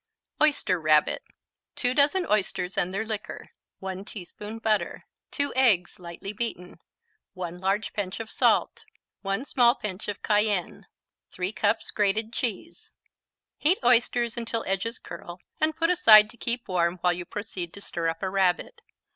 Oyster Rabbit 2 dozen oysters and their liquor 1 teaspoon butter 2 eggs, lightly beaten 1 large pinch of salt 1 small pinch of cayenne 3 cups grated cheese Heat oysters until edges curl and put aside to keep warm while you proceed to stir up a Rabbit.